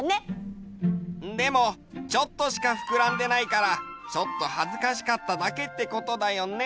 でもちょっとしかふくらんでないからちょっとはずかしかっただけってことだよね？